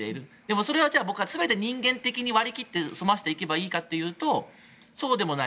それは僕は全て人間的に割り切って済ませばいいと思うかとそうでもない。